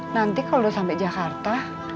nanti kalau sampai jakarta